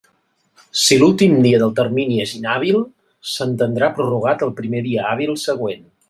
Si l'últim dia del termini és inhàbil, s'entendrà prorrogat al primer dia hàbil següent.